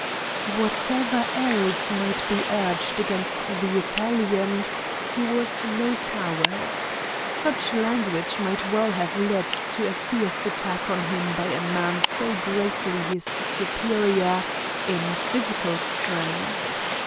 Whatever else might be urged against the Italian, he was no coward. Such language might well have led to a fierce attack on him by a man so greatly his superior in physical strength.